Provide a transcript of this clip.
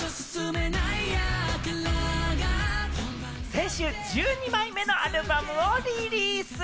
先週１２枚目のアルバムをリリース！